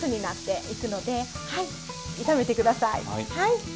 はい。